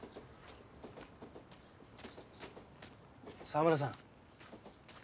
澤村さん。